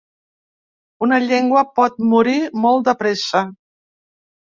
Una llengua pot morir molt de pressa.